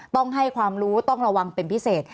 ต้องให้ความรู้ต้องระวังเป็นพิเศษ